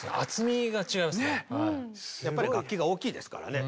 やっぱり楽器が大きいですからね。